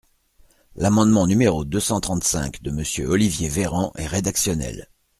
L’amendement numéro deux cent trente-cinq de Monsieur Olivier Véran est rédactionnel.